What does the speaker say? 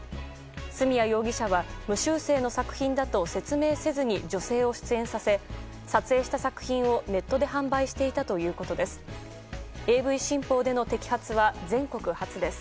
角谷容疑者は無修正の作品だと説明せずに女性を出演させ撮影した作品をネットで販売していたということです。